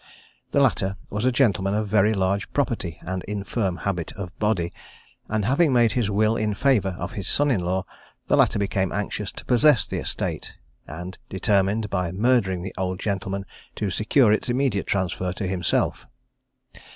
The latter was a gentleman of very large property, and of infirm habit of body, and having made his will in favour of his son in law, the latter became anxious to possess the estate, and determined, by murdering the old gentleman, to secure its immediate transfer to himself.